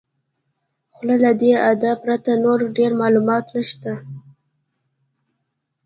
خو له دې ادعا پرته نور ډېر معلومات نشته.